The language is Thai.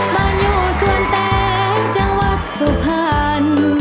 บ้านอยู่สวนแตงจังหวัดสุพรรณ